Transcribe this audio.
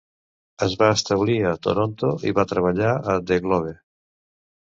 Es va establir a Toronto i va treballar a "The Globe".